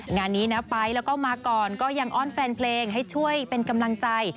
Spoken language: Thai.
งานนี้นะไฟล์แล้วก็มาก่อนก็ยังอ้อนแฟนเพลงให้ช่วยเป็นกำลังใจ